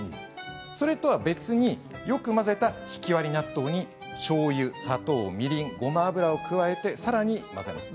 それとは別によく混ぜたひき割り納豆に、しょうゆ、砂糖みりん、ごま油を加えてさらに混ぜます。